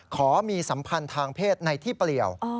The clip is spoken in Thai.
ขอมีสัมพันธ์ทางเพศในที่เปลี่ยว